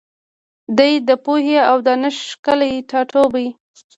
دی د پوهي او دانش ښکلی ټاټوبی